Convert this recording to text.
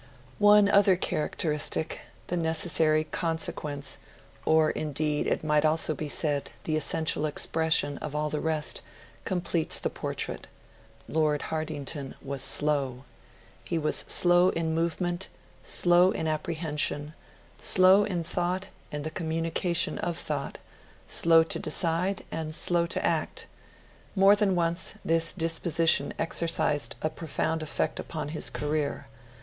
One other characteristic the necessary consequence, or, indeed, it might almost be said, the essential expression, of all the rest completes the portrait: Lord Hartington was slow. He was slow in movement, slow in apprehension, slow in thought and the communication of thought, slow to decide, and slow to act. More than once this disposition exercised a profound effect upon his career.